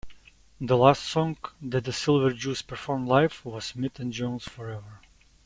The last song that the Silver Jews performed live was Smith and Jones Forever.